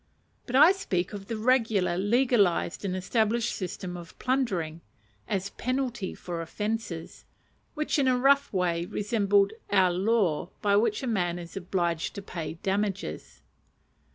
But I speak of the regular legalized and established system of plundering, as penalty for offences; which in a rough way resembled our law by which a man is obliged to pay "damages."